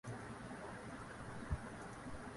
বাগদাদে নিহতের সংখ্যা দাঁড়ায় প্রায় বিশ লাখ।